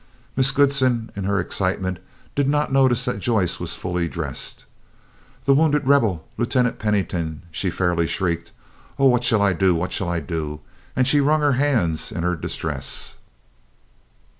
Miss Goodsen, in her excitement did not notice that Joyce was fully dressed. "The wounded Rebel, Lieutenant Pennington," she fairly shrieked. "Oh! what shall I do? What shall I do?" and she wrung her hands in her distress.